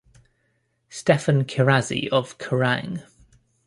Steffan Chirazi of Kerrang!